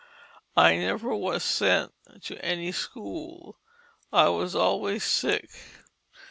I never was sent to any school. I was always sick.